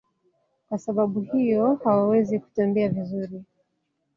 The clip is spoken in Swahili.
Kwa sababu hiyo hawawezi kutembea vizuri.